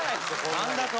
何だと！？